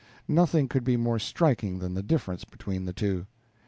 Nothing could be more striking than the difference between the two.